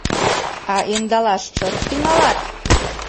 А ӧндалаш чот тӱҥалат?